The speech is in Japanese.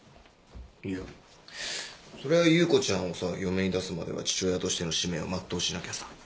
いやそりゃ優子ちゃんをさ嫁に出すまでは父親としての使命を全うしなきゃさ。